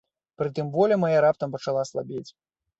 Прытым воля мая раптам пачала слабець.